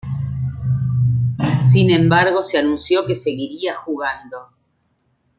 Sin embargo, se anunció que seguiría jugando.